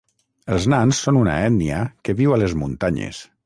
Els nans són una ètnia que viu a les muntanyes.